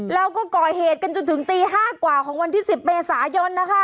แล้วก็ก่อเหตุกันจนถึงตี๕กว่าของวันที่๑๐เมษายนนะคะ